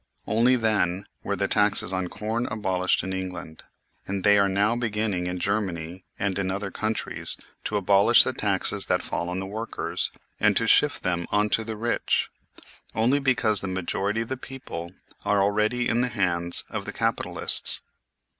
Only then were the taxes on corn abolished in England. And they are now beginning, in Germany and in other countries, to abolish the 70 THE SLAVERY OF OUR TIMES taxes that fall on the workers, and to shift them on to the rich only because the majority of the people are already in the hands of the capitalists.